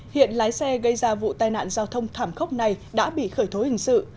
hiện lái xe gây ra vụ tai nạn giao thông thảm khốc này đã bị khởi thối hình sự